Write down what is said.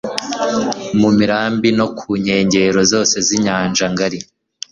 mu mirambi no ku nkengero zose z'inyanja ngari